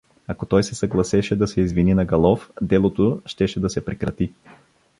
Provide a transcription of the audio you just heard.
Ако той се съгласеше да се извини на Галов, делото щеше да се прекрати.